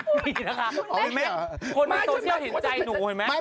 คนที่โซเชียลเห็นใจหนูเหมือนไหม